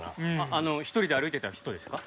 あの１人で歩いてた人ですか？